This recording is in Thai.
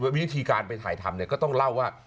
วิธีการไปถ่ายธรรมเนี่ยก็ต้องเล่าว่า